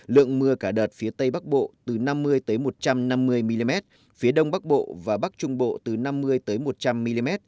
lượng mưa cả đợt phía tây bắc bộ từ năm mươi một trăm năm mươi mm phía đông bắc bộ và bắc trung bộ từ năm mươi một trăm linh mm